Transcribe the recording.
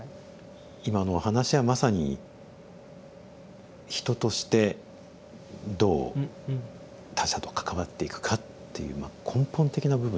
今のお話はまさに人としてどう他者と関わっていくかっていう根本的な部分ですよね。